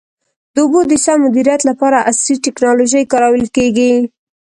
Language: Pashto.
د اوبو د سم مدیریت لپاره عصري ټکنالوژي کارول کېږي.